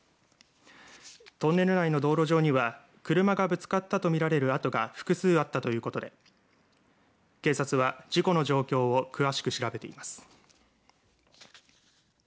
トンネル内の道路上には車がぶつかったと見られる跡が複数あったということで警察は事故の状況を詳しく調べています。